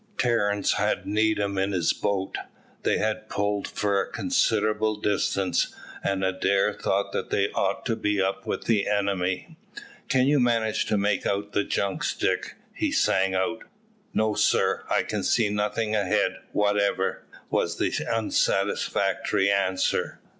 Terence had Needham in his boat. They had pulled for a considerable distance, and Adair thought that they ought to be up with the enemy. "Can you manage to make out the junks, Dick?" he sang out. "No, sir, I can see nothing ahead whatever," was the unsatisfactory answer.